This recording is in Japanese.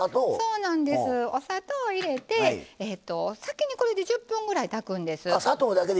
お砂糖を入れて先に、これで１０分ぐらい炊くんです。